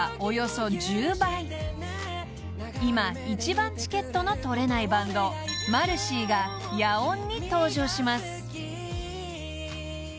［今一番チケットの取れないバンドマルシィが野音に登場します］